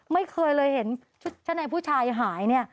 ไม่เคยเลยเห็นชุดชั้นในผู้ชายหายเนี่ย